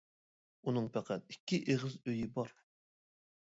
ئۇنىڭ پەقەت ئىككى ئېغىز ئۆيى بار.